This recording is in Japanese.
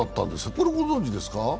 これご存じですか？